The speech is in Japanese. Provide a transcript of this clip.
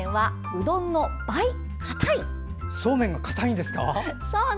そうめんが硬いんですか？